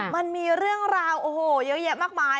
มันมีเรื่องราวโอ้โหเยอะแยะมากมาย